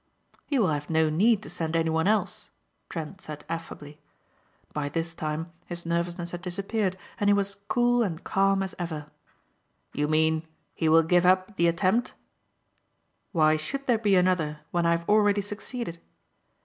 "He will have no need to send anyone else," Trent said affably. By this time his nervousness had disappeared and he was cool and calm as ever. "You mean he will give up the attempt?" "Why should there be another when I have already succeeded?"